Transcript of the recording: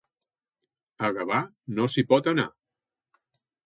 A Gavà no s'hi pot anar.